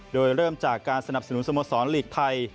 โดยเริ่มจากการสนับสนุนสโมสรหลีกไทย